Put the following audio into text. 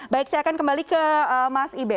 baik saya akan kembali ke mas ibe